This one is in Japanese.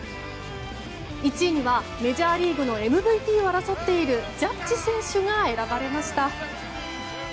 １位にはメジャーリーグのＭＶＰを争っているジャッジ選手が選ばれました。